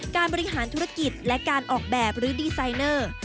การบริหารธุรกิจและการออกแบบหรือดีไซเนอร์